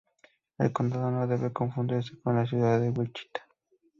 El condado no debe confundirse con la Ciudad de Wichita.